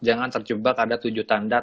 jangan terjebak ada tujuh tanda